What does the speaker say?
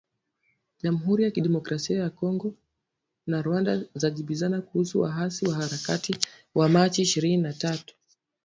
Jamhuri ya Kidemokrasia ya Kongo na Rwanda zajibizana kuhusu waasi wa Harakati za Machi ishirini na tatu